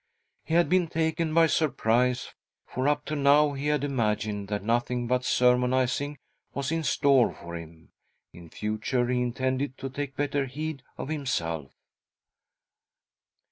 He had been taken by surprise, for up to now he had imagined that nothing but sermonising was in store for him. In future he intended to take better heed of himself.